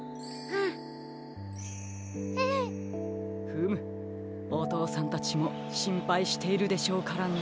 フムおとうさんたちもしんぱいしているでしょうからね。